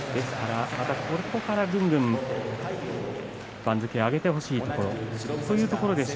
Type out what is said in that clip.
ここから、ぐんぐん番付を上げてほしいところです。